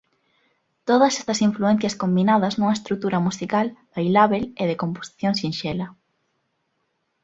Todas estas influencias combinadas nunha estrutura musical bailábel e de composición sinxela.